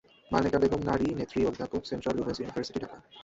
মালেকা বেগম নারী নেত্রী, অধ্যাপক, সেন্ট্রাল উইমেন্স ইউনিভার্সিটি, ঢাকা।